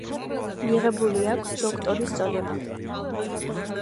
მიღებული აქვს დოქტორის წოდება.